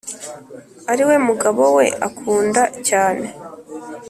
Ari we mugabo we akunda cyane